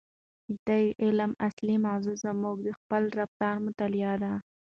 د دې علم اصلي موضوع زموږ د خپل رفتار مطالعه ده.